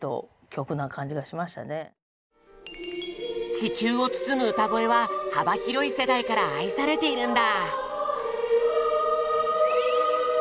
「地球をつつむ歌声」は幅広い世代から愛されているんだ。